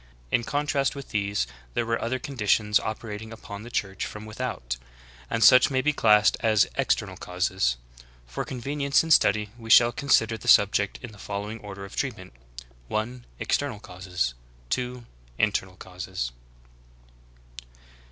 In contrast with these there were other conditions operating upon the Church from without; and such may be classed as external causes. For convenience in study we shall consider the subject in the fol lowing order of treatment: (1). External causes; (2) In ternal causes.